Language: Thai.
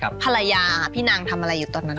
เผ้าภรรยาพี่นางทำอะไรอยู่